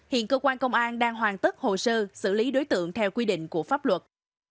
hiện công an đang hoàn tất hồ sơ xử lý đối tượng theo quy định của pháp luật